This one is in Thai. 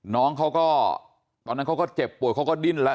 น้องเขาก็ตอนนั้นเขาก็เจ็บป่วยเขาก็ดิ้นแล้ว